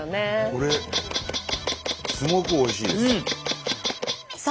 これすごくおいしいです。